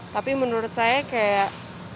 tapi menurut saya kayak